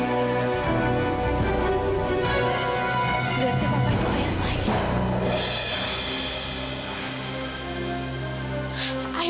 berarti bapak itu ayah saya